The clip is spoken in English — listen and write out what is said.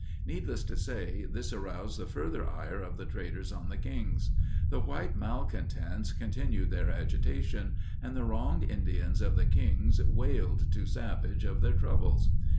Needless to say, this aroused the further ire of the traders on the Kings. The white malcontents continued their agitation, and the wronged Indians of the Kings wailed to Savage of their troubles.